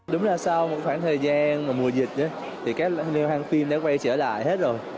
đúng là sau một khoảng thời gian mùa dịch các liên hoan phim đã quay trở lại hết rồi